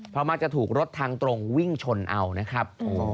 เพราะมักจะถูกรถทางตรงวิ่งชนเอานะครับ